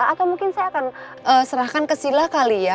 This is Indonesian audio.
atau mungkin saya akan serahkan ke sila kali ya